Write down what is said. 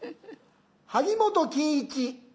萩本欽一。